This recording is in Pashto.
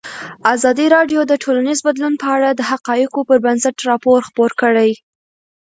ازادي راډیو د ټولنیز بدلون په اړه د حقایقو پر بنسټ راپور خپور کړی.